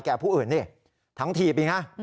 แก่ผู้อื่นนี่ถังถีบอีกฮะ